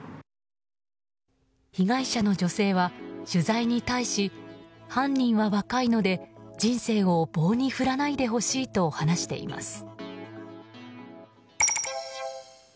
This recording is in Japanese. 被害者の女性は取材に対し犯人は若いので人生を棒に振らないでほしいと話しています。